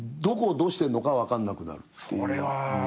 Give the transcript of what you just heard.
どこをどうしてんのか分かんなくなるっていう。